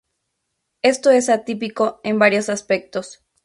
Esto es atípico en varios aspectos.